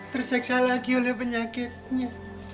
terseksa lagi oleh penyakitnya